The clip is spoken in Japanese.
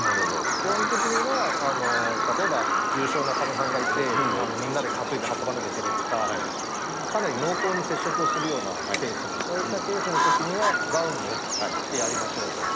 基本的には例えば、重症の患者さんがいて、みんなで担いで運ばなきゃいけないとか、かなり濃厚に接触をするようなケース、そういったケースのときには、ガウンを着てやりましょうと。